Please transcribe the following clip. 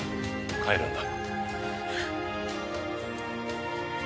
帰るんだ！